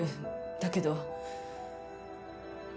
だけど。